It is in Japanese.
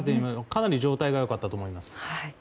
かなり状態が良かったと思います。